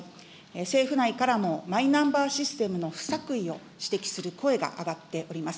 政府内からもマイナンバーシステムの不作為を指摘する声が上がっております。